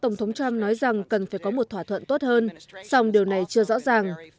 tổng thống trump nói rằng cần phải có một thỏa thuận tốt hơn song điều này chưa rõ ràng